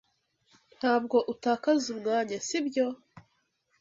Ntabwo utakaza umwanya, sibyo?